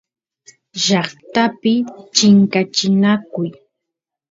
llaqtapi chinkachinakuy